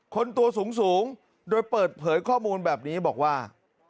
คนตัวสูงโดยเปิดเผยข้อมูลแบบนี้บอกว่า